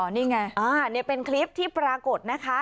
นี่ไงนี่เป็นคลิปที่ปรากฏนะคะ